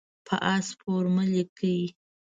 په آس سپور مه لیکئ.